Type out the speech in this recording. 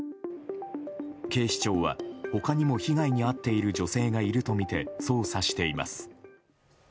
警視庁は他にも被害に遭っている女性がいるとみて捜査しています。